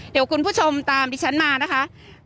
เดี๋ยวคุณผู้ชมตามดิฉันมานะคะ